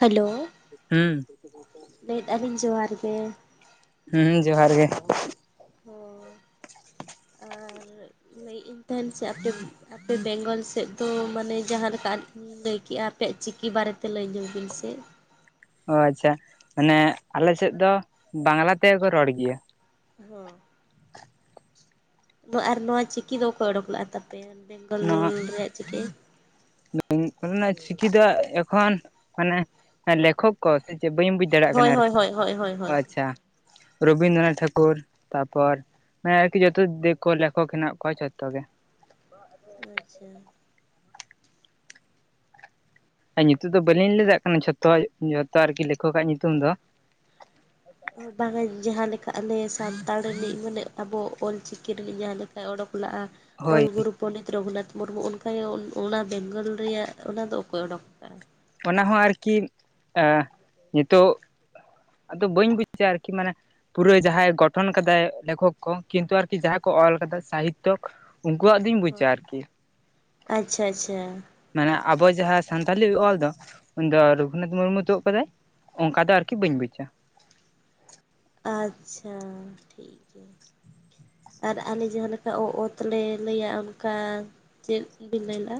Hello ᱦᱩᱸ ᱞᱟᱹᱭᱮᱫᱼᱟ ᱞᱤᱧ ᱡᱚᱦᱟᱨ ᱜᱮ ᱦᱮᱸ ᱡᱚᱦᱟᱨ ᱜᱮ ᱦᱚᱸ ᱟᱨ ᱞᱟᱹᱭᱮᱫ ᱤᱧ ᱛᱟᱦᱮᱱ ᱥᱮ ᱟᱯᱮ ᱟᱯᱮ ᱵᱮᱝᱜᱚᱞ ᱥᱮᱫ ᱫᱚ ᱢᱟᱱᱮ ᱡᱟᱦᱟᱸ ᱞᱮᱠᱟ ᱞᱟᱹᱭ ᱠᱮᱫᱼᱟ ᱟᱯᱮᱭᱟᱜ ᱪᱤᱠᱤ ᱵᱟᱨᱮᱛᱮ ᱞᱟᱹᱭ ᱧᱚᱜ ᱵᱤᱱ ᱥᱮ ᱚ ᱟᱪᱪᱷᱟ ᱢᱟᱱᱮ ᱟᱞᱮ ᱥᱮᱫ ᱫᱚ ᱵᱟᱝᱞᱟ ᱛᱮᱦᱚ ᱠᱚ ᱨᱚᱲ ᱜᱮᱭᱟ ᱦᱚᱸ ᱱᱚᱣᱟ ᱟᱨ ᱱᱚᱣᱟ ᱪᱤᱠᱤ ᱫᱚ ᱚᱠᱚᱭ ᱚᱰᱳᱠ ᱞᱟᱜᱼᱟ ᱛᱟᱯᱮᱭᱟ ᱵᱮᱝᱜᱚᱞ ᱨᱮᱭᱟᱜ ᱪᱤᱠᱤ ᱠᱚ ᱨᱮᱱᱟᱜ ᱪᱤᱠᱤ ᱫᱚ ᱮᱠᱷᱚᱱ ᱢᱟᱱᱮ ᱞᱮᱠᱷᱚᱠ ᱠᱚ ᱥᱮ ᱪᱮᱫ ᱵᱟᱹᱧ ᱵᱩᱡᱽ ᱫᱟᱲᱮᱭᱟᱜ ᱠᱟᱱᱟ ᱦᱳᱭ ᱦᱳᱭ ᱟᱨᱠᱤ ᱦᱳᱭ ᱦᱳᱭ ᱦᱳᱭ ᱦᱳᱭ ᱟᱪᱪᱷᱟ ᱨᱚᱵᱤᱱᱫᱨᱚᱱᱟᱛᱷ ᱴᱷᱟᱠᱩᱨ ᱛᱟᱯᱚᱨ ᱦᱮᱸ ᱟᱨᱠᱤ ᱡᱚᱛᱚ ᱫᱤᱠᱳ ᱞᱮᱠᱷᱚᱠ ᱦᱮᱱᱟᱜ ᱠᱚᱣᱟ ᱡᱚᱛᱚ ᱜᱮ ᱟᱪᱪᱷᱟ ᱟᱨ ᱱᱤᱛᱚᱜ ᱫᱚ ᱵᱟᱹᱞᱤᱧ ᱞᱟᱹᱭ ᱫᱟᱲᱮᱭᱟᱜ ᱠᱟᱱᱟ ᱡᱷᱚᱛᱚᱣᱟᱜ ᱡᱷᱚᱛᱚ ᱟᱨᱠᱤ ᱞᱮᱠᱷᱚᱠ ᱟᱜ ᱧᱩᱛᱩᱢ ᱫᱚ ᱵᱟᱝᱟ ᱡᱟᱦᱟᱸ ᱞᱮᱠᱟ ᱟᱞᱮ ᱥᱟᱱᱛᱟᱲ ᱨᱤᱱᱤᱡ ᱢᱟᱱᱮ ᱟᱵᱚ ᱚᱞᱪᱤᱠᱤ ᱨᱤᱱᱤᱡ ᱡᱟᱦᱟᱸ ᱞᱮᱠᱟ ᱚᱰᱳᱠ ᱞᱟᱜᱼᱟ ᱦᱳᱭ ᱚᱞ ᱜᱩᱨᱩ ᱯᱚᱱᱰᱤᱛ ᱨᱚᱜᱷᱩᱱᱟᱛᱷ ᱢᱩᱨᱢᱩ ᱚᱱᱠᱟᱜᱮ ᱚᱱᱟ ᱵᱮᱝᱜᱚᱞ ᱨᱮᱭᱟᱜ ᱚᱱᱟ ᱫᱚ ᱚᱠᱚᱭ ᱚᱰᱳᱠ ᱟᱠᱟᱜᱼᱟ? ᱚᱱᱟ ᱦᱚᱸ ᱟᱨᱠᱤ ᱟᱸ ᱱᱤᱛᱚᱜ ᱟᱫᱚ ᱵᱟᱹᱧ ᱵᱩᱡᱟ ᱟᱨᱠᱤ ᱢᱟᱱᱮ ᱯᱩᱨᱟᱹ ᱡᱟᱦᱟᱸᱭ ᱜᱚᱴᱷᱚᱱ ᱠᱟᱫᱟᱭ ᱞᱮᱠᱷᱚᱠ ᱠᱚ ᱠᱤᱱᱛᱩ ᱟᱨᱠᱤ ᱡᱟᱦᱟᱸ ᱠᱚ ᱚᱞ ᱠᱟᱫᱟ ᱥᱟᱦᱤᱛᱚ ᱩᱱᱠᱩᱣᱟᱜ ᱫᱚᱧ ᱵᱩᱡᱟ ᱦᱳᱭ ᱟᱨᱠᱤ ᱟᱪᱪᱷᱟ ᱟᱪᱪᱷᱟ ᱢᱟᱱᱮ ᱟᱵᱚ ᱡᱟᱦᱟᱸ ᱥᱟᱱᱛᱟᱞᱤ ᱚᱞ ᱫᱚ ᱩᱱᱤ ᱫᱚ ᱨᱚᱜᱷᱩᱱᱟᱛᱷ ᱢᱩᱨᱢᱩ ᱛᱩᱫ ᱠᱟᱫᱟᱭ ᱚᱱᱠᱟ ᱫᱚ ᱟᱨᱠᱤ ᱵᱟᱹᱧ ᱵᱩᱡᱟ ᱟᱪᱪᱷᱟ ᱴᱷᱤᱠ ᱜᱮᱭᱟ ᱟᱨ ᱟᱞᱮ ᱡᱟᱦᱟᱸ ᱞᱮᱠᱟ ᱚ ᱚᱛ ᱞᱮ ᱞᱟᱹᱭᱟ ᱚᱱᱠᱟ ᱪᱮᱫ ᱵᱤᱱ ᱞᱟᱹᱭ ᱞᱮᱫᱼᱟ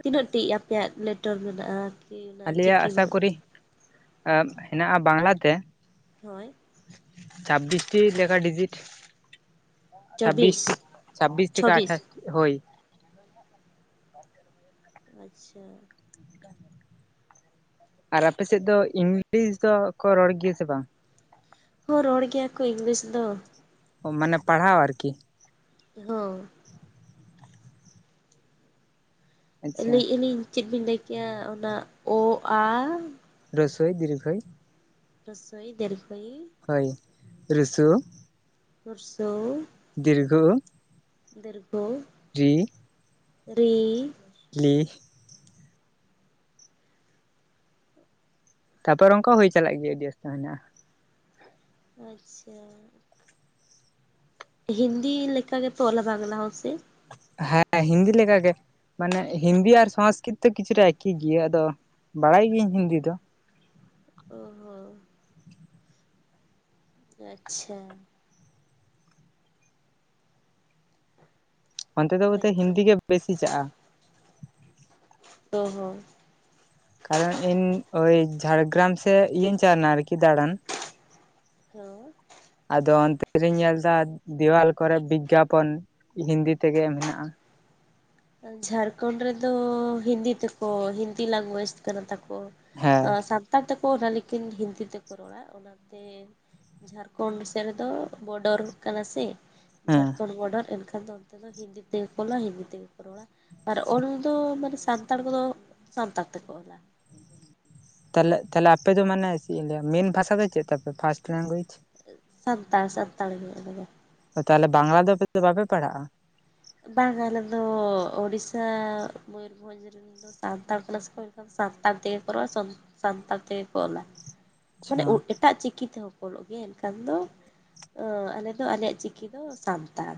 ᱛᱤᱱᱟᱹᱜ ᱴᱤ ᱟᱯᱮᱭᱟᱜ ᱞᱮᱴᱚᱨ ᱢᱮᱱᱟᱜᱼᱟ ᱠᱤ ᱚᱱᱟ ᱟᱞᱮᱭᱟᱜ ᱪᱤᱠᱤ ᱟᱥᱟ ᱢᱮᱱᱟᱜᱼᱟ ᱠᱚᱨᱤ ᱦᱮᱱᱟᱜᱼᱟ ᱵᱟᱝᱞᱟᱛᱮ ᱦᱳᱭ ᱪᱷᱟᱵᱵᱤᱥᱴᱤ ᱞᱮᱠᱟ ᱰᱤᱡᱤᱴ ᱪᱷᱟᱵᱵᱤᱥ ᱪᱚᱵᱵᱤᱥ ᱪᱷᱟᱵᱵᱤᱥ ᱛᱷᱮᱠᱮ ᱪᱷᱚᱵᱵᱤᱥ ᱟᱴᱷᱟᱥ ᱦᱳᱭ [inaudible] ᱟᱪᱪᱷᱟ [inaudible] ᱟᱨ ᱟᱯᱮ ᱥᱮᱫ ᱫᱚ ᱤᱝᱞᱤᱥ ᱫᱚᱠᱚ ᱨᱚᱲ ᱜᱮᱭᱟ ᱥᱮ ᱵᱟᱝ ᱦᱚᱸ ᱨᱚᱲ ᱜᱮᱭᱟ ᱠᱚ ᱤᱝᱞᱤᱥ ᱫᱚ ᱢᱟᱱᱮ ᱯᱟᱲᱦᱟᱣ ᱟᱨᱠᱤ ᱦᱚᱸ ᱟᱪᱪᱷᱟ ᱞᱟᱹᱭᱮᱫ ᱟᱹᱞᱤᱧ ᱪᱮᱫ ᱵᱤᱱ ᱞᱟᱹᱭ ᱠᱮᱭᱟ ᱚᱱᱟ ᱚ, ᱟ ᱨᱟᱹᱥᱳᱭ ᱫᱤᱨᱜᱷᱟᱹᱭ ᱨᱚᱥᱳᱭ ᱫᱤᱨᱜᱷᱟ. ᱭ ᱦᱳᱭ ᱨᱤᱥᱩ ᱵᱚᱥᱩ ᱫᱤᱨᱜᱷᱚᱩ ᱫᱤᱨᱜᱷᱚᱩ ᱡᱤ ᱨᱤ ᱞᱤ ᱛᱟᱯᱚᱨ ᱚᱱᱠᱟ ᱦᱩᱭ ᱪᱟᱞᱟᱜ ᱜᱮᱭᱟ ᱟᱹᱰᱤ ᱟᱥᱛᱟᱢ ᱦᱮᱱᱟᱜᱼᱟ ᱟᱪᱪᱷᱟ ᱦᱤᱱᱫᱤ ᱞᱮᱠᱟ ᱜᱮ ᱛᱚ ᱟᱞᱮ ᱵᱟᱝᱞᱟ ᱦᱚᱸ ᱥᱮ ᱦᱮᱸ ᱦᱤᱱᱫᱤ ᱞᱮᱠᱟ ᱜᱮ ᱢᱟᱱᱮ ᱦᱤᱱᱫᱤ ᱟᱨ ᱥᱚᱝᱥᱠᱨᱤᱛ ᱫᱚ ᱠᱤᱪᱷᱩ ᱴᱟ ᱮᱠᱤ ᱜᱮᱭᱟ ᱟᱫᱚ ᱵᱟᱲᱟᱭ ᱜᱤᱭᱟᱹᱧ ᱦᱤᱱᱫᱤ ᱫᱚ ᱚ ᱦᱚᱸ ᱟᱪᱪᱷᱟ ᱚᱱᱛᱮ ᱫᱚ ᱵᱚᱫᱷᱳᱭ ᱦᱳᱭᱛᱚ ᱦᱤᱱᱫᱤ ᱜᱮ ᱵᱮᱥᱤ ᱪᱟᱜᱼᱟ ᱚ ᱦᱚᱸ ᱠᱟᱨᱚᱱ ᱤᱧ ᱳᱭ ᱡᱷᱟᱲᱜᱨᱟᱢ ᱥᱮᱫ ᱤᱭᱟᱹᱧ ᱪᱟᱞᱟᱣ ᱞᱮᱱᱟ ᱟᱨᱠᱤ ᱫᱟᱬᱟᱱ ᱦᱳᱭ ᱟᱫᱚ ᱚᱱᱛᱮ ᱨᱤᱧ ᱧᱮᱞ ᱮᱫᱟ ᱫᱮᱣᱟᱞ ᱠᱚᱨᱮ ᱵᱤᱜᱽᱜᱟᱯᱚᱱ ᱦᱤᱱᱫᱤ ᱛᱮᱜᱮ ᱦᱮᱱᱟᱜ-ᱟ ᱡᱷᱟᱲᱠᱷᱚᱸᱰ ᱨᱮᱫᱚ ᱦᱤᱱᱫᱤ ᱛᱮᱠᱚ ᱦᱤᱱᱫᱤ ᱞᱮᱝᱜᱩᱭᱮᱡᱽ ᱠᱟᱱᱟ ᱛᱟᱠᱚ ᱦᱮᱸ ᱥᱟᱱᱛᱟᱲ ᱛᱮᱠᱚ ᱚᱞᱟ ᱞᱮᱠᱤᱱ ᱦᱤᱱᱫᱤ ᱛᱮᱠᱚ ᱨᱚᱲᱟ ᱚᱱᱟᱛᱮ ᱡᱷᱟᱲᱠᱷᱚᱸᱰ ᱥᱮᱫ ᱨᱮᱫᱚ ᱵᱚᱰᱚᱨᱚᱜ ᱠᱟᱱᱟ ᱥᱮ ᱦᱮᱸ ᱡᱷᱟᱲᱠᱷᱚᱸᱰ ᱵᱚᱰᱟᱨ ᱮᱱᱠᱷᱟᱱ ᱫᱚ ᱚᱱᱛᱮ ᱫᱚ ᱦᱤᱱᱫᱤ ᱛᱮᱜᱮ ᱠᱚ ᱚᱞᱟ ᱦᱤᱱᱫᱤ ᱛᱮᱜᱮ ᱨᱚᱲᱟ ᱟᱨ ᱚᱞ ᱫᱚ ᱢᱟᱱᱮ ᱥᱟᱱᱛᱟᱲ ᱠᱚᱫᱚ ᱥᱟᱱᱛᱟᱲ ᱛᱮᱠᱚ ᱚᱞᱟ ᱛᱟᱦᱮ ᱛᱟᱦᱚᱞᱮ ᱟᱯᱮ ᱫᱚ ᱢᱟᱱᱮ ᱪᱮᱫ ᱤᱧ ᱞᱟᱹᱭᱟ ᱢᱮᱱ ᱵᱷᱟᱥᱟ ᱫᱚ ᱪᱮᱫ ᱛᱟᱯᱮ ᱯᱷᱟᱥᱴ ᱞᱮᱝᱜᱩᱭᱮᱡᱽ ᱥᱟᱱᱛᱟᱲ ᱥᱟᱱᱛᱟᱲ ᱜᱮ ᱟᱞᱮ ᱫᱚ ᱛᱟᱦᱚᱞᱮ ᱵᱟᱝᱞᱟ ᱫᱚ ᱟᱯᱮ ᱫᱚ ᱵᱟᱯᱮ ᱯᱟᱲᱦᱟᱜᱼᱟ ᱵᱟᱝ ᱟᱞᱮ ᱫᱚ ᱚᱲᱤᱥᱥᱟ ᱢᱚᱭᱩᱨᱵᱷᱚᱸᱡᱽ ᱨᱮ ᱥᱟᱱᱛᱟᱲ ᱠᱟᱱᱟ ᱥᱮ ᱥᱟᱱᱛᱟᱲ ᱛᱮᱜᱮ ᱠᱚ ᱨᱚᱲᱟ ᱥᱟᱱᱛᱟᱲ ᱛᱮᱜᱮ ᱠᱚ ᱚᱞᱟ ᱢᱟᱱᱮ ᱟᱪᱪᱷᱟ ᱮᱴᱟᱜ ᱪᱤᱠᱤ ᱛᱮᱦᱚᱸ ᱠᱚ ᱚᱞᱚᱜ ᱜᱮᱭᱟ ᱮᱱᱠᱷᱟᱱ ᱫᱚ ᱚ ᱟᱞᱮ ᱫᱚ ᱟᱞᱮᱭᱟᱜ ᱪᱤᱠᱤ ᱫᱚ ᱥᱟᱱᱛᱟᱲ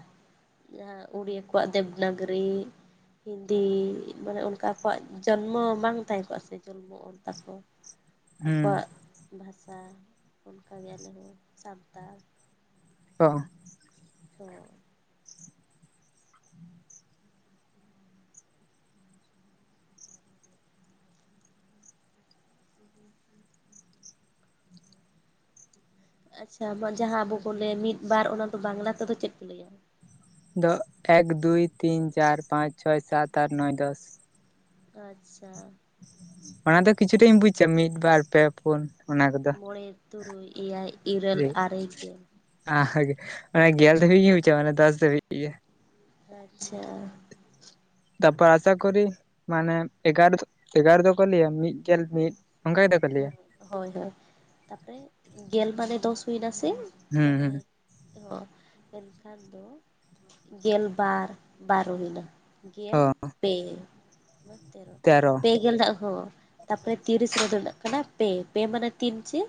ᱡᱟᱦᱟᱸ ᱩᱲᱤᱭᱟ ᱠᱚᱣᱟᱜ ᱫᱮᱵᱽᱱᱟᱜᱚᱨᱤ ᱦᱤᱱᱫᱤ ᱢᱟᱱᱮ ᱚᱱᱠᱟ ᱠᱚᱣᱟᱜ ᱡᱚᱱᱢᱚ ᱵᱟᱝ ᱛᱟᱦᱮᱸ ᱠᱚᱜᱼᱟ ᱥᱮ ᱡᱚᱱᱢᱚ ᱚᱞ ᱛᱟᱠᱚ ᱦᱩᱸ ᱟᱠᱚᱣᱟᱜ ᱵᱷᱟᱥᱟ ᱚᱱᱠᱟᱜ ᱟᱞᱮ ᱦᱚᱸ ᱥᱟᱱᱛᱟᱲ ᱚ ᱚ [inaudible] ᱟᱪᱪᱷᱟ ᱡᱟᱦᱟᱸ ᱟᱵᱚ ᱵᱚᱱ ᱞᱟᱹᱭᱟ ᱢᱤᱫ ᱵᱟᱨ ᱚᱱᱟ ᱫᱚ ᱵᱟᱝᱞᱟ ᱛᱮᱫᱚ ᱪᱮᱫ ᱠᱚ ᱞᱟᱹᱭᱟ ᱫᱚ ᱮᱠ ᱫᱩᱭ ᱛᱤᱱ ᱪᱟᱨ ᱯᱟᱸᱪ ᱪᱷᱚᱭ ᱥᱟᱛ ᱟᱴ ᱱᱚᱭ ᱫᱚᱥ ᱟᱪᱪᱷᱟ ᱚᱱᱟ ᱫᱚ ᱠᱤᱪᱷᱩᱴᱟ ᱤᱧ ᱵᱩᱡᱟ ᱢᱤᱫ ᱵᱟᱨ ᱯᱮ ᱯᱩᱱ ᱚᱱᱟ ᱠᱚᱫᱚ ᱢᱚᱬᱮ ᱛᱩᱨᱩᱭ ᱮᱭᱟᱭ ᱤᱨᱟᱹᱞ ᱟᱨᱮ ᱜᱮᱞ ᱚᱱᱟ ᱜᱮᱞ ᱫᱷᱟᱹᱵᱤᱡ ᱜᱮ ᱵᱩᱪᱟ ᱢᱟᱱᱮ ᱫᱚᱥ ᱫᱷᱟᱹᱵᱤᱡ ᱜᱮ ᱟᱪᱪᱷᱟ ᱛᱟᱯᱚᱨ ᱟᱥᱟᱠᱚᱨᱤ ᱢᱟᱱᱮ ᱮᱜᱟᱨᱚ ᱮᱜᱟᱨᱚ ᱫᱚᱠᱚ ᱞᱟᱹᱭᱟ ᱢᱤᱫ ᱜᱮᱞ ᱢᱤᱫ ᱚᱱᱠᱟ ᱜᱮᱠᱚ ᱦᱳᱭ ᱦᱳᱭ ᱛᱟᱨᱯᱚᱨᱮ ᱜᱮᱞ ᱢᱟᱱᱮ ᱫᱚᱥ ᱦᱳᱭᱱᱟᱥᱮ ᱦᱩᱸ ᱢᱟᱱᱮ ᱦᱩᱸ ᱦᱚᱸ ᱮᱱᱠᱷᱟᱱ ᱫᱚ ᱜᱮᱞᱵᱟᱨ ᱵᱟᱨᱚ ᱦᱩᱭᱱᱟ ᱜᱮᱞ ᱚ ᱯᱮ ᱢᱟᱱᱮ ᱛᱮᱨᱚ ᱯᱮ ᱜᱮᱞ ᱫᱟᱜ ᱦᱚᱸ ᱛᱟᱨᱯᱚᱨᱮ ᱛᱤᱨᱤᱥ ᱨᱮᱫᱚᱜ ᱠᱟᱱᱟ ᱯᱮ ᱯᱮ ᱢᱟᱱᱮ ᱛᱤᱱ ᱪᱮ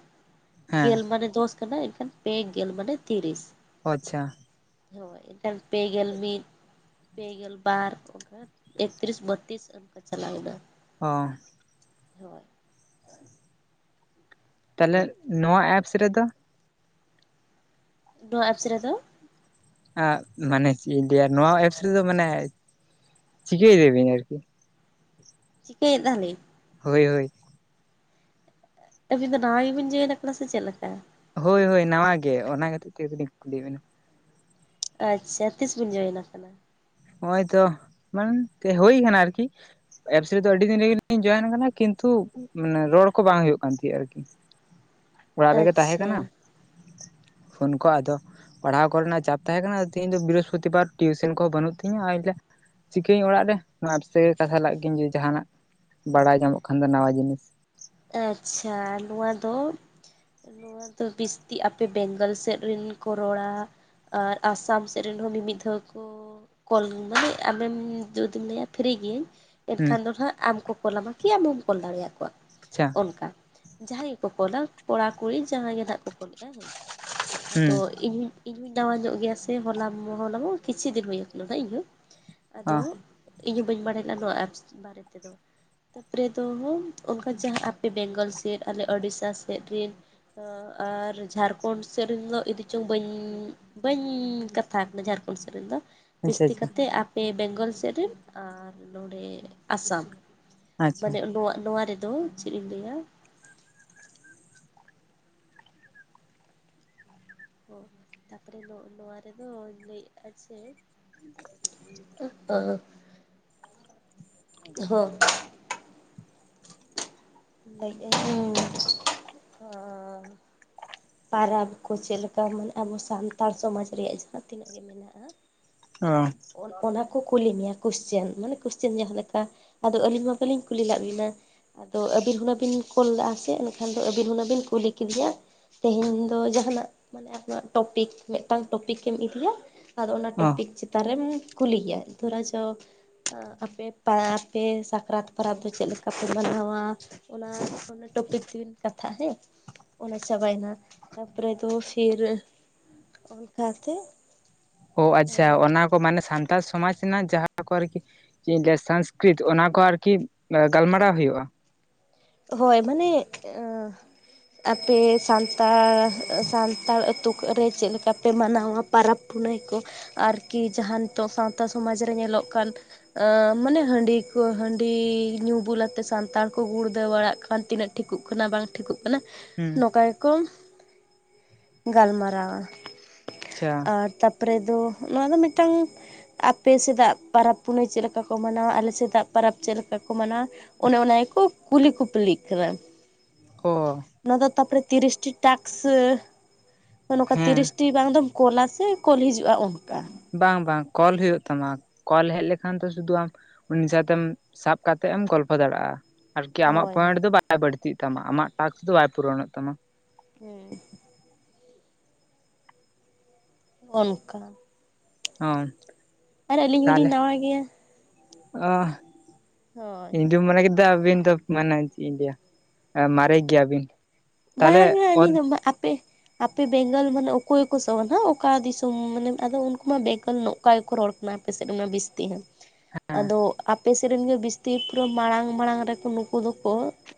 ᱜᱮᱞ ᱦᱮᱸ ᱢᱟᱱᱮ ᱫᱚᱥ ᱠᱟᱱᱟ ᱮᱱᱠᱷᱟᱱ ᱯᱮ ᱜᱮᱞ ᱢᱟᱱᱮ ᱛᱤᱨᱤᱥ ᱟᱪᱪᱷᱟ ᱦᱳᱭ ᱮᱠᱷᱟᱱ ᱯᱮ ᱜᱮᱞ ᱢᱤᱫ ᱯᱮ ᱜᱮᱞ ᱵᱟᱨ ᱚᱱᱠᱟ ᱮᱠᱛᱨᱤᱥ ᱵᱚᱛᱛᱨᱤᱥ ᱚᱱᱠᱟ ᱪᱟᱞᱟᱣᱱᱟ ᱚ ᱦᱳᱭ ᱛᱟᱦᱚᱞᱮ ᱱᱚᱣᱟ ᱮᱯᱥ ᱨᱮᱫᱚ ᱱᱚᱣᱟ ᱮᱯᱥ ᱨᱮᱫᱚ ᱢᱟᱱᱮ ᱪᱮᱫ ᱤᱧ ᱞᱮᱭᱟ ᱱᱚᱣᱟ ᱮᱯᱥ ᱨᱮᱫᱚ ᱢᱟᱱᱮ ᱪᱤᱠᱟᱹᱭ ᱫᱟᱹᱵᱤᱱ ᱟᱨᱠᱤ ᱪᱤᱠᱟᱹᱭᱮᱫᱟᱞᱤᱧ ᱦᱳᱭ ᱦᱳᱭ ᱟᱹᱵᱤᱱ ᱫᱚ ᱱᱟᱣᱟ ᱜᱮᱵᱤᱱ ᱡᱚᱭᱮᱱ ᱠᱟᱫᱟ ᱥᱮ ᱪᱮᱫ ᱞᱮᱠᱟ ᱦᱳᱭ ᱦᱳᱭ ᱱᱟᱣᱟ ᱜᱮ ᱚᱱᱟ ᱠᱷᱟᱹᱛᱤᱨ ᱛᱮᱜᱮ ᱞᱤᱧ ᱠᱩᱞᱤᱭᱮᱫ ᱵᱤᱱᱟ ᱟᱪᱪᱷᱟ ᱛᱤᱥ ᱵᱤᱱ ᱡᱚᱭᱮᱱ ᱠᱟᱱᱟ ᱦᱚᱸᱜᱼᱚᱭ ᱛᱚ ᱵᱟᱝ ᱦᱳᱭ ᱠᱟᱱᱟ ᱟᱨᱠᱤ ᱮᱯᱥ ᱨᱮᱫᱚ ᱟᱹᱰᱤ ᱫᱤᱱ ᱨᱮᱜᱤ ᱞᱤᱧ ᱡᱚᱭᱮᱱ ᱠᱟᱱᱟ ᱠᱤᱱᱛᱩ ᱢᱟᱱᱮ ᱨᱚᱲ ᱠᱚ ᱵᱟᱝ ᱦᱩᱭᱩᱜ ᱠᱟᱱ ᱛᱟᱸᱦᱮᱜᱼᱟ ᱟᱨᱠᱤ [inaudible] ᱚᱲᱟᱜ ᱨᱮᱜᱮ ᱛᱟᱦᱮᱸ ᱟᱪᱪᱷᱟ ᱠᱟᱱᱟ [inaudible] ᱯᱷᱳᱱ ᱠᱚ ᱟᱫᱚ ᱯᱟᱲᱦᱟᱣ ᱠᱚᱨᱮᱱᱟᱜ ᱪᱟᱯ ᱛᱟᱦᱮᱸ ᱠᱟᱱᱟ ᱛᱮᱦᱮᱧ ᱫᱚ ᱵᱨᱤᱦᱚᱥᱯᱚᱛᱤ ᱵᱟᱨ ᱴᱤᱭᱩᱥᱚᱱ ᱠᱚ ᱵᱟᱹᱱᱩᱜ ᱛᱮ [inaudible] ᱪᱤᱠᱟᱹᱭᱟᱹᱧ ᱚᱲᱟᱜ ᱨᱮ [inaudible] ᱠᱟᱛᱷᱟ ᱞᱟᱜ ᱜᱤᱧ ᱡᱟᱸᱦᱟᱱᱟᱜ ᱵᱟᱲᱟᱭ ᱧᱟᱢᱚᱜ ᱠᱷᱟᱱ ᱫᱚ ᱱᱟᱣᱟ ᱡᱤᱱᱤᱥ ᱟᱪᱪᱷᱟ ᱱᱚᱣᱟ ᱫᱚ ᱱᱚᱣᱟ ᱫᱚ ᱵᱤᱥᱛᱤ ᱟᱯᱮ ᱵᱮᱝᱜᱚᱞ ᱥᱮᱫ ᱨᱮᱱ ᱠᱚ ᱨᱚᱲᱟ ᱟᱨ ᱟᱥᱟᱢ ᱥᱮᱫ ᱨᱮᱱ ᱦᱚᱸ ᱢᱤᱼᱢᱤᱫ ᱫᱷᱟᱣ ᱠᱚ ᱠᱚᱞ ᱢᱟᱱᱮ ᱟᱢᱮᱢ ᱡᱩᱫᱤᱢ ᱞᱟᱹᱭᱟ ᱯᱷᱤᱨᱤ ᱜᱤᱭᱟᱹᱧ ᱮᱱ ᱦᱩᱸ ᱠᱷᱟᱱ ᱫᱚ ᱦᱟᱸᱜ ᱟᱢ ᱠᱚ ᱠᱚᱞᱟᱢᱟ ᱠᱤ ᱟᱢᱮᱢ ᱠᱚᱞ ᱫᱟᱲᱮᱭᱟ ᱠᱚᱣᱟ ᱟᱪᱪᱷᱟ ᱚᱱᱠᱟ ᱡᱟᱦᱟᱸᱭ ᱜᱮᱠᱚ ᱠᱚᱞᱟ ᱠᱚᱲᱟ ᱠᱩᱲᱤ ᱡᱟᱦᱟᱸᱭ ᱜᱮ ᱦᱟᱸᱜ ᱠᱚ ᱠᱚᱞᱟ ᱦᱮᱸ ᱟᱫᱚ ᱦᱩᱸ ᱤᱧ ᱤᱧ ᱦᱚᱸᱧ ᱱᱟᱣᱟ ᱧᱚᱜ ᱜᱮᱭᱟ ᱥᱮ ᱦᱚᱞᱟ ᱦᱚᱞᱟ ᱠᱤᱪᱷᱩ ᱫᱤᱱ ᱦᱩᱭ ᱠᱟᱱᱟ ᱱᱟᱜ ᱤᱧᱦᱚᱸ ᱟᱫᱚ ᱚ ᱤᱧ ᱦᱚᱸ ᱵᱟᱹᱧ ᱵᱟᱲᱟᱭ ᱞᱮᱜᱼᱟ ᱱᱚᱣᱟ ᱮᱯᱥ ᱵᱟᱨᱮ ᱛᱮᱫᱚ ᱛᱟᱨᱯᱚᱨᱮ ᱫᱚ ᱦᱮᱸ ᱚᱱᱠᱟ ᱡᱟᱦᱟᱸ ᱮᱯᱥ ᱵᱮᱝᱜᱚᱞ ᱥᱮᱫ ᱟᱞᱮ ᱳᱲᱤᱥᱥᱟ ᱥᱮᱫ ᱨᱤᱱ ᱟᱨ ᱡᱷᱟᱲᱠᱷᱚᱸᱰ ᱥᱮᱫ ᱨᱮᱱ ᱫᱚ ᱤᱫᱩ ᱪᱚᱝ ᱵᱟᱹᱧ ᱵᱟᱹᱧ ᱠᱟᱛᱷᱟ ᱠᱟᱱᱟ ᱡᱷᱟᱲᱠᱷᱚᱸᱰ ᱥᱮᱫ ᱨᱮᱱ ᱫᱚ ᱟᱪᱪᱷᱟ ᱵᱤᱥᱛᱤ ᱟᱪᱪᱷᱟ ᱠᱟᱛᱮ ᱟᱯᱮ ᱵᱮᱝᱜᱚᱞ ᱥᱮᱫ ᱨᱮᱱ ᱟᱨ ᱱᱚᱸᱰᱮ ᱟᱥᱟᱢ ᱟᱪᱪᱷᱟ ᱢᱟᱱᱮ ᱱᱚᱣᱟ ᱱᱚᱣᱟ ᱨᱮᱫᱚ ᱪᱮᱫ ᱤᱧ ᱞᱟᱹᱭᱟ ᱚ ᱛᱟᱨᱯᱚᱨᱮ ᱱᱚᱜ ᱱᱚᱣᱟ ᱨᱮᱫᱚ ᱞᱟᱹᱭ ᱟ ᱡᱮ [inaudible] ᱦᱚᱸ ᱞᱟᱹᱭ [inaudible] ᱯᱟᱨᱟᱵᱽ ᱠᱚ ᱪᱮᱫ ᱞᱮᱠᱟ ᱢᱟᱱᱮ ᱟᱵᱚ ᱥᱟᱱᱛᱟᱲ ᱥᱚᱢᱟᱡᱽ ᱨᱮᱭᱟᱜ ᱡᱟᱦᱟᱸ ᱛᱤᱱᱟᱹᱜ ᱜᱮ ᱢᱮᱱᱟᱜᱼᱟ ᱚᱻ ᱚᱱᱟ ᱠᱚ ᱠᱩᱞᱤ ᱢᱮᱭᱟ ᱠᱳᱥᱪᱮᱱ ᱢᱟᱱᱮ ᱠᱳᱥᱪᱟᱱ ᱡᱟᱦᱟᱸ ᱞᱮᱠᱟ ᱟᱫᱚ ᱟᱹᱞᱤᱧ ᱢᱟ ᱵᱟᱹᱞᱤᱧ ᱠᱩᱞᱤ ᱞᱮᱜ ᱵᱤᱱᱟ ᱟᱫᱚ ᱟᱹᱵᱤᱱ ᱦᱩᱱᱟᱹ ᱵᱤᱱ ᱠᱚᱞ ᱞᱟᱜᱼᱟ ᱥᱮ ᱮᱱ ᱠᱷᱟᱱ ᱫᱚ ᱟᱹᱵᱤᱱ ᱦᱩᱱᱟᱹᱝ ᱵᱤᱱ ᱠᱩᱞᱤ ᱠᱤᱫᱤᱧᱟ ᱛᱮᱦᱮᱧ ᱫᱚ ᱡᱟᱸᱦᱟᱱᱟᱜ ᱢᱟᱱᱮ ᱟᱢᱟᱜ ᱴᱚᱯᱤᱠ ᱢᱤᱫᱴᱟᱝ ᱴᱚᱯᱤᱠᱮᱢ ᱤᱫᱤᱭᱟ ᱟᱨ ᱚᱱᱟ ᱚ ᱴᱚᱯᱤᱠ ᱪᱮᱛᱟ ᱟᱨᱮᱢ ᱠᱩᱞᱤᱮᱭᱟ ᱛᱷᱚᱨᱟ ᱪᱚ ᱟᱯᱮ ᱟᱯᱮ ᱥᱟ ᱥᱟᱠᱨᱟᱛ ᱯᱟᱨᱟᱵᱽ ᱫᱚ ᱪᱮᱫ ᱞᱮᱠᱟ ᱯᱮ ᱢᱟᱱᱟᱣ ᱟ ᱚᱱᱟ ᱚᱱᱟ ᱴᱚᱯᱤᱠ [inaudible] ᱠᱟᱛᱮ ᱛᱟᱦᱮᱸ ᱚᱱᱟ ᱪᱟᱵᱟᱭ ᱱᱟ ᱛᱟᱨᱯᱚᱨᱮ ᱫᱚ ᱯᱷᱤᱨ ᱚᱱᱠᱟ ᱛᱮ ᱚ ᱟᱪᱪᱷᱟ ᱚᱱᱟ ᱠᱚ ᱢᱟᱱᱮ ᱥᱟᱱᱛᱟᱲ ᱥᱚᱢᱟᱡᱽ ᱨᱮᱱᱟᱜ ᱡᱟᱦᱟᱸ ᱠᱚ ᱟᱨᱠᱤ [inaudible] ᱥᱚᱝᱥᱠᱨᱤᱛ ᱚᱱᱟ ᱠᱚ ᱟᱨᱠᱤ ᱜᱟᱞᱢᱟᱨᱟᱣ ᱦᱩᱭᱩᱜᱼᱟ ᱦᱳᱭ ᱢᱟᱱᱮ ᱮᱸ ᱟᱯᱮ ᱥᱟᱱᱛᱟᱲ ᱥᱟᱱᱛᱟᱲ ᱟᱹᱛᱩ ᱠᱚᱨᱮ ᱪᱮᱫ ᱞᱮᱠᱟᱯᱮ ᱢᱟᱱᱟᱣᱟ ᱯᱚᱨᱟᱵᱽ ᱯᱩᱱᱟᱹᱭ ᱠᱚ ᱟᱨᱠᱤ ᱡᱟᱦᱟᱸ ᱱᱤᱛᱚᱜ ᱥᱟᱶᱛᱟ ᱥᱚᱢᱟᱡᱽ ᱨᱮ ᱧᱮᱞᱚᱜ ᱠᱟᱱ ᱟᱸ ᱢᱟᱱᱮ ᱦᱟᱺᱰᱤ ᱠᱚ ᱦᱟᱺᱰᱤ ᱧᱩ ᱵᱩᱞ ᱠᱟᱛᱮ ᱥᱟᱱᱛᱟᱲ ᱠᱚ ᱜᱩᱲ ᱫᱟᱹᱣ ᱵᱟᱲᱟᱜ ᱠᱷᱟᱱ ᱛᱤᱱᱟᱹᱜ ᱴᱷᱤᱠᱚᱜ ᱠᱟᱱᱟ ᱵᱟᱝ ᱴᱷᱤᱠᱚᱜ ᱠᱟᱱᱟ ᱦᱩᱸ ᱱᱚᱝᱠᱟ ᱜᱮᱠᱚ ᱜᱟᱞᱢᱟᱨᱟᱣ ᱟ ᱪᱷᱟ ᱟᱨ ᱛᱟᱯᱚᱨᱮ ᱫᱚ ᱱᱚᱣᱟ ᱫᱚ ᱢᱤᱫᱴᱟᱝ ᱟᱯᱮ ᱥᱮᱫᱟᱜ ᱯᱟᱨᱟᱵᱽ ᱯᱩᱱᱟᱹᱭ ᱪᱮᱫ ᱞᱮᱠᱟ ᱠᱚ ᱢᱟᱱᱟᱣᱟ ᱟᱞᱮ [unintelligible] ᱥᱮᱛᱟᱜ ᱯᱚᱨᱚᱵᱽ ᱪᱮᱫ ᱞᱮᱠᱟ ᱠᱚ ᱢᱟᱱᱟᱣᱟ ᱚᱱᱮ ᱚᱱᱟ ᱜᱮᱠᱚ ᱠᱩᱞᱤ ᱠᱩᱯᱞᱤᱜ ᱠᱟᱱᱟ ᱚ ᱚᱱᱟ ᱫᱚ ᱛᱟᱯᱚᱨᱮ ᱛᱤᱨᱤᱥᱴᱤ ᱴᱟᱠᱥ ᱱᱚᱝᱠᱟ ᱦᱮᱸ ᱛᱤᱨᱤᱥᱴᱤ ᱵᱟᱝᱫᱚ ᱠᱚᱞᱟ ᱥᱮ ᱠᱚᱞ ᱦᱤᱡᱩᱜᱼᱟ ᱚᱱᱠᱟ ᱵᱟᱝ ᱵᱟᱝ ᱠᱚᱞ ᱦᱩᱭᱩᱜ ᱛᱟᱢᱟ ᱠᱚᱞ ᱦᱮᱡ ᱞᱮᱠᱷᱟᱱ ᱫᱚ ᱥᱩᱫᱷᱩ ᱟᱢ ᱩᱱᱤ ᱥᱟᱣᱛᱮᱢ ᱥᱟᱵ ᱠᱟᱛᱮ ᱮᱢ ᱜᱚᱞᱯᱷᱚ ᱫᱟᱲᱮᱭᱟᱜᱼᱟ ᱟᱨᱠᱤ ᱟᱢᱟᱜ ᱦᱳᱭ ᱯᱚᱭᱮᱱᱴ ᱦᱳᱭ ᱫᱚ ᱵᱟᱭ ᱵᱟᱹᱲᱛᱤᱜ ᱛᱟᱢᱟ ᱟᱢᱟᱜ ᱴᱟᱠᱥ ᱫᱚ ᱵᱟᱭ ᱯᱩᱨᱚᱱᱚᱜ ᱛᱟᱢᱟ ᱦᱮᱸ ᱚᱱᱠᱟ ᱚᱸ [unintelligible] ᱟᱨ ᱟᱹᱞᱤᱧ ᱦᱚᱸᱞᱤᱧ ᱱᱟᱣᱟ ᱜᱮᱭᱟ ᱟᱹᱦ ᱦᱳᱭ ᱤᱧ ᱫᱩᱧ ᱢᱚᱱᱮ ᱠᱮᱫ ᱟᱹᱵᱤᱱ ᱫᱚ ᱢᱟᱱᱮ ᱪᱮᱫ ᱤᱧ ᱞᱟᱹᱭᱟ ᱢᱟᱨᱮ ᱜᱮᱭᱟ ᱵᱤᱱ ᱵᱟᱝ [unintelligible] ᱟᱯᱮ ᱟᱯᱮ ᱵᱮᱝᱜᱚᱞ ᱢᱟᱱᱮ ᱚᱠᱚᱭ ᱠᱚ ᱥᱟᱦᱟᱣ ᱱᱟ ᱚᱠᱟ ᱫᱤᱥᱚᱢ ᱢᱟᱱᱮ ᱟᱫᱚ ᱩᱱᱠᱩᱢᱟ ᱵᱮᱝᱜᱚᱞ ᱱᱳ ᱚᱱᱠᱟ ᱜᱮᱠᱚ ᱨᱚᱲ ᱠᱟᱱᱟ ᱟᱯᱮᱥᱮᱫ ᱚᱱᱟ ᱵᱤᱥᱛᱤ ᱦᱚᱸ ᱟᱫᱚ ᱟᱯᱮ ᱥᱮᱫ ᱨᱮᱱ ᱜᱮ ᱵᱤᱥᱛᱤ ᱯᱩᱨᱟᱹᱢ ᱢᱟᱲᱟᱝ ᱢᱟᱲᱟᱝ ᱨᱮᱠᱚ ᱱᱩᱠᱩ ᱫᱚᱠᱚ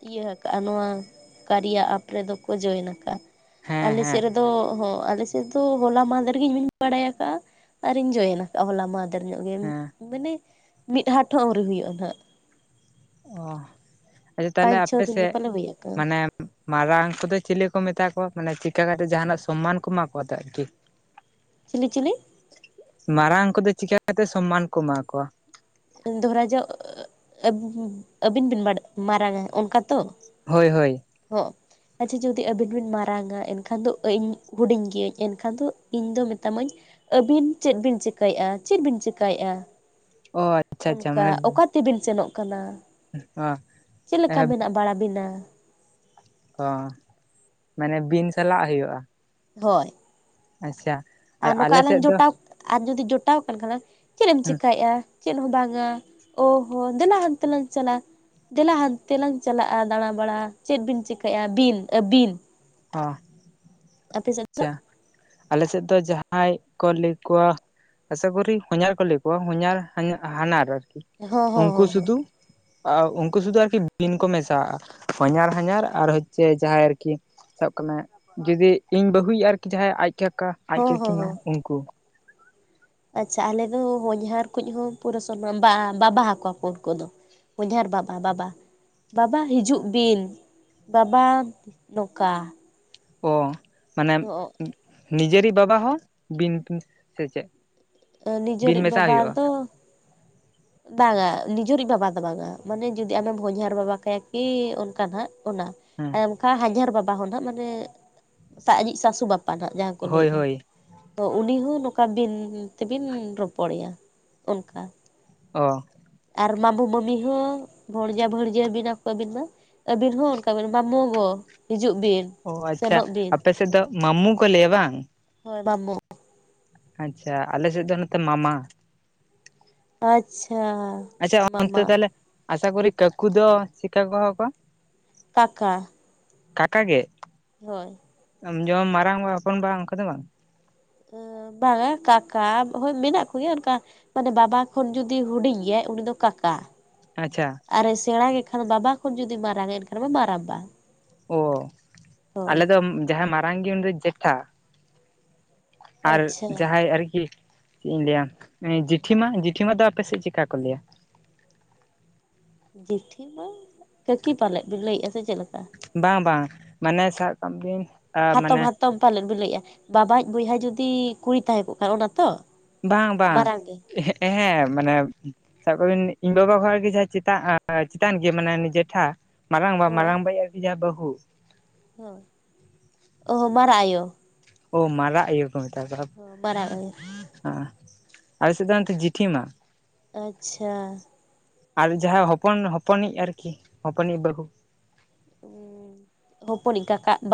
ᱤᱭᱟᱹ ᱟᱠᱟᱜᱼᱟ ᱱᱚᱣᱟ ᱠᱟᱨᱮᱭᱟ ᱮᱯ ᱨᱮᱫᱚ ᱠᱚ ᱡᱚᱭᱮᱱ ᱟᱠᱟᱫᱼᱟ ᱦᱮᱸ ᱟᱞᱮ ᱦᱮᱸ ᱥᱮᱫ ᱨᱮᱫᱚ ᱟᱞᱮ ᱥᱮᱫ ᱠᱤᱱᱛᱩ ᱦᱚᱞᱟ ᱢᱟᱦᱫᱷᱮᱨ ᱜᱮ ᱤᱧ ᱵᱟᱲᱟᱭ ᱟᱠᱟᱫᱼᱟ ᱟᱨ ᱤᱧ ᱡᱚᱭᱮᱱ ᱟᱠᱟᱫᱼᱟ ᱦᱚᱞᱟ ᱢᱟᱦᱫᱷᱮᱨ ᱧᱚᱜ ᱜᱮ ᱦᱮᱸ ᱢᱟᱱᱮ ᱢᱤᱫ ᱦᱟᱴᱷᱚ ᱦᱚᱸ ᱟᱹᱣᱨᱤ ᱦᱩᱭᱩᱜᱼᱟ ᱦᱟᱜ ᱚ ᱟᱪᱪᱷᱟ ᱛᱟᱦᱚᱞᱮ ᱯᱟᱸᱪ ᱪᱷᱚ ᱟᱯᱮ ᱫᱤᱱ ᱜᱮ ᱥᱮᱫ ᱯᱟᱞᱮ ᱦᱩᱭ ᱟᱠᱟᱱᱟ ᱢᱟᱱᱮ ᱢᱟᱨᱟᱝ ᱠᱚᱫᱚ ᱪᱤᱞᱤ ᱠᱚ ᱢᱮᱛᱟ ᱠᱚᱣᱟ ᱢᱟᱱᱮ ᱪᱤᱠᱟ ᱠᱟᱛᱮᱜ ᱡᱟᱦᱟᱱᱟᱜ ᱥᱚᱢᱢᱟᱱ ᱠᱚ ᱮᱢᱟ ᱠᱚᱣᱟ ᱟᱨᱠᱤ ᱪᱤᱞᱤ ᱪᱤᱞᱤ ᱢᱟᱨᱟᱝ ᱠᱚᱫᱚ ᱪᱤᱠᱟ ᱠᱟᱛᱮ ᱥᱚᱢᱢᱟᱱ ᱠᱚ ᱮᱢᱟ ᱠᱚᱣᱟ ᱫᱷᱚᱨᱟ ᱡᱚᱜ ᱟᱹᱵᱤᱱ ᱵᱤᱱ ᱢᱟᱲ ᱢᱟᱨᱟᱝᱟ ᱚᱱᱠᱟ ᱛᱚ ᱦᱳᱭ ᱦᱳᱭ ᱦᱚᱸ ᱟᱪᱪᱷᱟ ᱡᱩᱫᱤ ᱟᱹᱵᱤᱱ ᱵᱤᱱ ᱢᱟᱨᱟᱝᱟ ᱮᱱᱠᱷᱟᱱ ᱫᱚ ᱤᱧ ᱦᱩᱰᱤᱧ ᱜᱤᱭᱟᱹᱧ ᱮᱱᱠᱷᱟᱱ ᱫᱚ ᱤᱧ ᱫᱚ ᱢᱮᱛᱟᱢ ᱟᱹᱧ ᱟᱹᱵᱤᱱ ᱪᱮᱫ ᱵᱤᱱ ᱪᱤᱠᱟᱹᱭᱮᱟ ᱪᱮᱫ ᱵᱤᱱ ᱪᱤᱠᱟᱹᱭᱮᱟ ᱚ ᱟᱪᱪᱷᱟ ᱟᱪᱪᱷᱟ ᱚᱱᱠᱟ ᱢᱟᱱᱮ ᱚᱠᱟ ᱛᱮᱵᱤᱱ ᱥᱮᱱᱚᱜ ᱠᱟᱱᱟ ᱚ ᱪᱮᱫ ᱞᱮᱠᱟ ᱢᱮᱱᱟᱜ ᱵᱟᱲᱟ ᱵᱤᱱᱟ ᱚᱹ ᱢᱟᱱᱮ ᱵᱤᱱ ᱥᱟᱞᱟᱜ ᱦᱩᱭᱩᱜᱼᱟ ᱦᱳᱭ ᱟᱪᱪᱷᱟ ᱟᱨ ᱱᱚᱝᱠᱟ ᱟᱞᱮ ᱟᱞᱟᱝ ᱥᱮᱫ ᱫᱚ ᱡᱚᱴᱟᱣ ᱟᱨ ᱡᱩᱫᱤ ᱡᱚᱴᱟᱣ ᱠᱟᱱ ᱠᱷᱟᱱ ᱪᱮᱫ ᱮᱢ ᱪᱤᱠᱟᱹᱭᱮᱜᱼᱟ ᱪᱮᱫ ᱦᱚᱸ ᱵᱟᱝᱜ-ᱟ ᱳ ᱦᱳ ᱫᱮᱞᱟ ᱦᱟᱱᱛᱮᱞᱟᱝ ᱪᱟᱞᱟᱜᱼᱟ ᱫᱮᱞᱟ ᱦᱟᱱᱛᱮ ᱞᱟᱝ ᱪᱟᱞᱟᱜᱼᱟ ᱫᱟᱬᱟ ᱵᱟᱲᱟ ᱪᱮᱫ ᱵᱤᱱ ᱪᱤᱠᱟᱹᱭᱼᱟ ᱵᱤᱱ ᱟᱹᱵᱤᱱ ᱚ [unintelligible] ᱟᱯᱮ ᱥᱮᱫ ᱫᱚ ᱟᱞᱮᱥᱮᱫ ᱫᱚ ᱡᱟᱦᱟᱸᱭ ᱠᱚ ᱞᱟᱹᱭ ᱠᱚᱣᱟ ᱟᱥᱟ ᱠᱚᱨᱤ ᱦᱚᱧᱦᱟᱨ ᱠᱚ ᱞᱟᱹᱭ ᱠᱚᱣᱟ ᱦᱚᱧᱟᱨ ᱦᱟᱱᱟᱨ ᱟᱨᱠᱤ ᱦᱚᱸ ᱦᱚᱸ ᱩᱱᱠᱩ ᱦᱚᱸ ᱦᱚᱸ ᱥᱩᱫᱩ ᱩᱱᱠᱩ ᱥᱩᱫᱷᱩ ᱟᱨᱠᱤ ᱵᱤᱱ ᱠᱚ ᱢᱮᱥᱟᱣᱟᱜᱼᱟ ᱦᱚᱧᱟᱨ ᱦᱟᱧᱟᱨ ᱟᱨ ᱦᱚᱪᱷᱮ ᱡᱟᱦᱟᱸᱭ ᱟᱨᱠᱤ ᱥᱟᱵ ᱠᱟᱹᱜ ᱢᱮ ᱡᱩᱫᱤ ᱤᱧ ᱵᱟᱹᱦᱩᱭᱤᱡ ᱟᱨᱠᱤ ᱡᱟᱦᱟᱸ ᱟᱡ ᱠᱟᱠᱟ ᱟᱡ ᱦᱚᱸ ᱦᱚᱸ ᱠᱟᱠᱤᱢᱟ ᱦᱚᱸ ᱩᱱᱠᱩ ᱟᱪᱪᱷᱟ ᱟᱞᱮ ᱫᱚ ᱦᱚᱧᱦᱟᱨ ᱠᱚ ᱦᱚᱸ ᱯᱩᱨᱟᱹ ᱥᱚᱱ ᱵᱟ ᱵᱟᱵᱟ ᱟᱠᱚᱣᱟ ᱠᱚ ᱩᱱᱠᱩ ᱫᱚ ᱦᱚᱧᱦᱟᱨ ᱵᱟᱵᱟ ᱵᱟᱵᱟ ᱵᱟᱵᱟ ᱦᱤᱡᱩᱜ ᱵᱤᱱ ᱵᱟᱵᱟ ᱱᱚᱠᱟ ᱚ ᱢᱟᱱᱮ ᱱᱤᱡᱮᱨᱤᱜ ᱵᱟᱵᱟ ᱦᱚᱸ ᱵᱤᱱ ᱯᱷᱳᱱ ᱥᱮ ᱪᱮᱫ ᱵᱤᱱ ᱱᱤᱡᱮᱨᱤᱡ ᱢᱮᱥᱟ ᱵᱟᱵᱟ ᱦᱩᱭᱩᱜᱼᱟ ᱫᱚ ᱵᱟᱝᱟ ᱱᱤᱡᱮᱨᱤᱡ ᱵᱟᱵᱟ ᱫᱚ ᱵᱟᱝᱟ ᱱᱤᱡᱮᱨᱤᱜ ᱵᱟᱵᱟ ᱫᱚ ᱵᱟᱝᱜ-ᱟ ᱢᱟᱱᱮ ᱡᱩᱫᱤ ᱟᱢᱮᱢ ᱦᱚᱧᱦᱟᱨ ᱵᱟᱵᱟ ᱠᱟᱭᱟ ᱠᱤ ᱚᱱᱠᱟ ᱦᱟᱜ ᱚᱱᱟ ᱦᱮᱸ ᱚᱝᱠᱟ ᱦᱟᱡᱟᱨ ᱵᱟᱵᱟ ᱦᱚᱸ ᱱᱟᱜ ᱢᱟᱱᱮ ᱟᱹᱤᱡ ᱥᱟᱥᱩ ᱵᱟᱵᱟ ᱱᱟᱜ ᱡᱟᱦᱟᱸ ᱠᱚ ᱦᱳᱭ ᱞᱟᱹᱭᱮᱜᱼᱟ ᱦᱳᱭ ᱳ ᱩᱱᱤ ᱦᱚᱸ ᱱᱚᱝᱠᱟ ᱵᱤᱱ ᱛᱮᱵᱤᱱ ᱨᱚᱯᱚᱲᱮᱭᱟ ᱚᱱᱠᱟ ᱚ ᱟᱨ ᱢᱟᱢᱩ ᱢᱟᱢᱤ ᱦᱚᱸ ᱵᱷᱚᱲᱡᱟ ᱵᱷᱟᱹᱲᱡᱟᱹ ᱵᱤᱱᱟ ᱠᱚ ᱟᱹᱵᱤᱱ ᱢᱟ ᱟᱹᱵᱤᱱ ᱦᱚᱸ ᱚᱱᱠᱟ ᱵᱤᱱ ᱵᱟᱢᱚ ᱜᱚ ᱦᱤᱡᱩᱜ ᱵᱤᱱ ᱚ ᱟᱪᱪᱷᱟ ᱥᱮᱱᱚᱜ ᱵᱤᱱ ᱟᱯᱮ ᱥᱮᱫ ᱫᱚ ᱦᱳᱭ ᱢᱟᱢᱩ ᱠᱚ ᱞᱟᱹᱭᱟ ᱵᱟᱝ ᱦᱳᱭ ᱢᱟᱢᱩ ᱟᱪᱪᱷᱟ ᱟᱞᱮ ᱥᱮᱫ ᱫᱚ ᱱᱚᱛᱮ ᱢᱟᱢᱟ ᱟᱪᱪᱷᱟ ᱟᱪᱪᱷᱟ ᱚᱱᱛᱮ ᱢᱟᱢᱟ ᱛᱟᱦᱞᱮ ᱟᱥᱟ ᱠᱚᱨᱤ ᱠᱟᱠᱩ ᱫᱚ ᱪᱮᱜᱠᱟ ᱠᱚ ᱦᱚᱦᱚᱣᱟ ᱠᱚᱣᱟ ᱠᱟᱠᱟ ᱠᱟᱠᱟ ᱜᱮ ᱦᱳᱭ ᱟᱢ ᱡᱚᱢ ᱢᱟᱨᱟᱝᱵᱟ ᱦᱚᱯᱚᱱᱵᱟ ᱚᱱᱠᱟ ᱫᱚ ᱵᱟᱝ ᱵᱟᱝᱟ ᱠᱟᱠᱟ ᱦᱳᱭ ᱢᱮᱱᱟᱜ ᱠᱚᱜᱮᱭᱟ ᱚᱱᱠᱟ ᱢᱟᱱᱮ ᱵᱟᱵᱟ ᱠᱷᱚᱱ ᱡᱩᱫᱤ ᱦᱩᱰᱤᱧ ᱜᱮᱭᱟᱭ ᱩᱱᱤ ᱫᱚ ᱠᱟᱠᱟ ᱟᱪᱪᱷᱟ ᱟᱨᱮ ᱥᱮᱬᱟ ᱜᱮᱠᱷᱟᱱ ᱵᱟᱵᱟ ᱠᱷᱚᱱ ᱡᱩᱫᱤ ᱢᱟᱨᱟᱝ ᱟᱭ ᱮᱱᱠᱷᱟᱱ ᱢᱟ ᱢᱟᱨᱟᱝᱵᱟ ᱳ ᱦᱳᱭ ᱟᱞᱮ ᱫᱚ ᱡᱟᱦᱟᱸᱭ ᱢᱟᱨᱟᱝ ᱜᱮ ᱩᱱᱤ ᱫᱚ ᱡᱮᱴᱷᱟ ᱟᱨ ᱟᱪᱪᱷᱟ ᱡᱟᱦᱟᱸᱭ ᱟᱨᱠᱤ ᱪᱮᱫ ᱤᱧ ᱞᱟᱹᱭᱟ ᱡᱤᱴᱷᱤᱢᱟ ᱡᱤᱴᱷᱤᱢᱟ ᱫᱚ ᱟᱯᱮ ᱥᱮᱫ ᱪᱤᱠᱠᱟ ᱠᱚ ᱞᱟᱹᱭᱟ ᱡᱤᱴᱷᱤᱢᱟ ᱠᱟᱹᱠᱤ ᱯᱟᱞᱮᱜ ᱵᱤᱱ ᱞᱟᱹᱭᱮᱜᱼᱟ ᱥᱮ ᱪᱮᱫ ᱞᱮᱠᱟ ᱵᱟᱝ ᱵᱟᱝ ᱢᱟᱱᱮ ᱥᱟᱵ ᱠᱟᱜ ᱵᱤᱱ ᱦᱟᱛᱚᱢ ᱢᱟᱱᱮ ᱦᱟᱛᱚᱢ ᱯᱟᱞᱮᱱ ᱵᱤᱱ ᱞᱟᱹᱭᱮᱜᱼᱟ ᱵᱟᱵᱟᱤᱡ ᱵᱚᱭᱦᱟ ᱡᱩᱫᱤ ᱠᱩᱲᱤ ᱛᱟᱦᱮᱸ ᱠᱚᱜ ᱠᱷᱟᱱ ᱚᱱᱟ ᱛᱚ ᱵᱟᱝ ᱵᱟᱝ ᱢᱟᱨᱟᱝ ᱜᱮ ᱮᱸ-ᱦᱮᱸ ᱢᱟᱱᱮ ᱥᱟᱵ ᱠᱟᱜ ᱵᱤᱱ ᱤᱧ ᱵᱟᱵᱟ ᱠᱷᱚᱱ ᱜᱮ ᱡᱟᱦᱟᱸ ᱪᱮᱛᱟ ᱪᱮᱛᱟᱱ ᱜᱮᱭᱟ ᱢᱟᱱᱮ ᱩᱱᱤ ᱡᱮᱴᱷᱟ ᱢᱟᱨᱟᱝᱵᱟ ᱢᱟᱨᱟᱝᱵᱟᱤᱡ ᱟᱨᱠᱤ ᱡᱟᱦᱟᱸ ᱵᱟᱹᱦᱩ ᱦᱚᱸ ᱚ-ᱦᱚ ᱢᱟᱨᱟ ᱟᱭᱳ ᱚ ᱢᱟᱨᱟᱜ ᱟᱭ‌ᱳ ᱠᱚ ᱢᱮᱛᱟ ᱠᱚᱣᱟ ᱚ ᱢᱟᱨᱟᱝ ᱟᱭᱳ ᱚ ᱟᱞᱮ ᱥᱮᱫ ᱫᱚ ᱚᱱᱛᱮ ᱡᱷᱤᱴᱷᱤ ᱢᱟ ᱟᱪᱪᱷᱟ ᱟᱨ ᱡᱟᱦᱟᱸ ᱦᱚᱯᱚᱱ ᱦᱚᱯᱚᱱᱤᱡ ᱟᱨᱠᱤ ᱦᱚᱯᱚᱱᱤᱡ ᱵᱟᱹᱦᱩ ᱩᱻ ᱦᱚᱯᱚᱱᱤᱡ ᱠᱟᱠᱟ ᱵᱟ